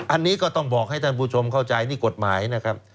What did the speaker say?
อันนี้ก็ต้องบอกให้ท่านผู้ชมเข้าใจนี่กฎหมายนะครับ